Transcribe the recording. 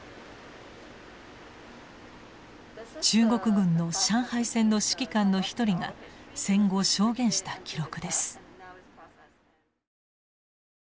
中国軍の上海戦の指揮官の一人が戦後証言した記録です。